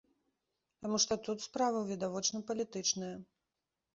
Таму што тут справа відавочна палітычная.